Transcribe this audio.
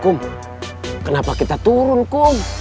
kum kenapa kita turun kum